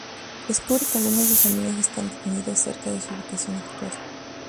Descubre que algunos de sus amigos están detenidos cerca de su ubicación actual.